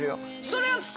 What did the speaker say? それは。